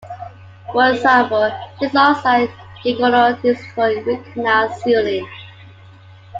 For example, zinc oxide eugenol is used for root canal sealing.